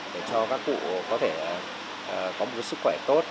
để cho các cụ có thể có mục đích